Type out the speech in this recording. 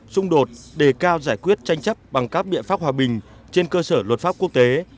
xung đột đề cao giải quyết tranh chấp bằng các biện pháp hòa bình trên cơ sở luật pháp quốc tế